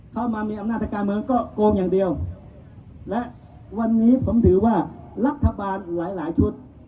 เข้ามามีอำนาจทางการเมืองก็โกงอย่างเดียวและวันนี้ผมถือว่ารัฐบาลหลายหลายชุด